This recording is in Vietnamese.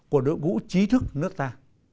của đội vũ trí thức nước ta